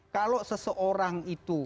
kalau seseorang itu